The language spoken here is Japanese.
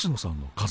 家族。